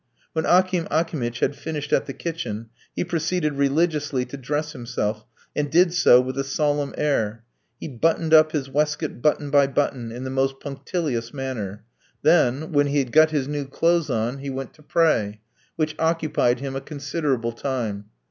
When Akim Akimitch had finished at the kitchen, he proceeded religiously to dress himself, and did so with a solemn air. He buttoned up his waistcoat button by button, in the most punctilious manner. Then, when he had got his new clothes on, he went to pray, which occupied him a considerable time.